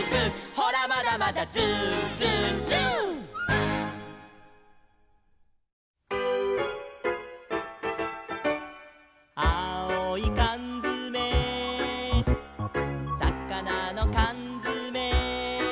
「ほらまだまだＺｏｏＺｏｏＺｏｏ」「あおいかんづめ」「さかなのかんづめ」